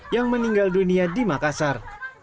yang meninggal dunia di makassar